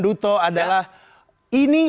duto adalah ini